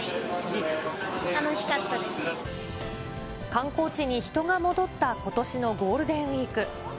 観光地に人が戻ったことしのゴールデンウィーク。